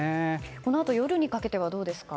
このあと夜にかけてはどうですか。